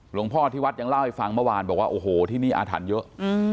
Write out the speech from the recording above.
พ่อที่วัดยังเล่าให้ฟังเมื่อวานบอกว่าโอ้โหที่นี่อาถรรพ์เยอะ